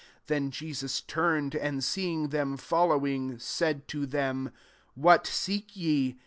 38 Then Jesus turned, and seeing them fol lowing, said to them, " What seek ye?"